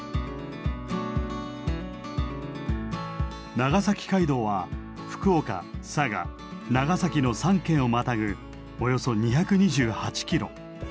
長崎街道は福岡佐賀長崎の３県をまたぐおよそ２２８キロ。